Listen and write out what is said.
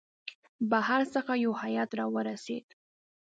بهر څخه یو هیئات را ورسېد.